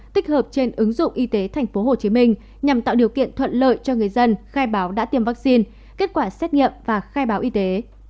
tích hợp trên ứng dụng y tế tp hcm nhằm tạo điều kiện thuận lợi cho người dân khai báo đã tiêm vaccine kết quả xét nghiệm và khai báo y tế